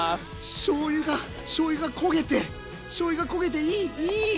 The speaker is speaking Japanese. しょうゆがしょうゆが焦げてしょうゆが焦げていいいいあっ！